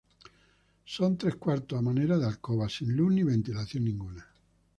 Son tres cuartos a manera de alcobas, sin luz ni ventilación ninguna.